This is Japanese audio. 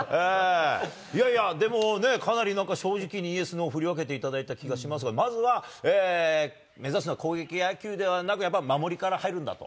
いやいや、でもかなりなんか正直にＹＥＳ、ＮＯ、振り分けていただいた気がしますが、まずは目指すのは攻撃野球ではなく守りから入るんだと。